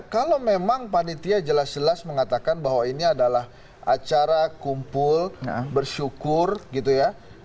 kalau memang panitia jelas jelas mengatakan bahwa ini adalah acara kumpul bersyukur gitu ya